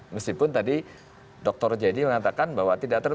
meskipun tadi dr jedi mengatakan bahwa tidak terlalu